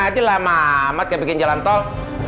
aja lama amat kayak bikin jalan tol